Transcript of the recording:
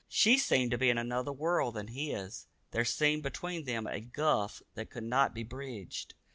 She seemed to be in another world than his; there seemed between them a gulf that could not be bridged.